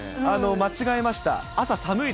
間違えました。